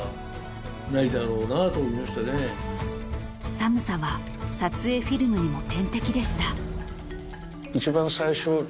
［寒さは撮影フィルムにも天敵でした］